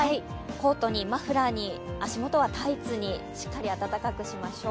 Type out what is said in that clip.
コートにマフラーに、足元はタイツに、しっかり暖かくしましょう。